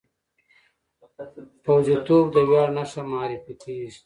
پوځي توب د ویاړ نښه معرفي کېږي.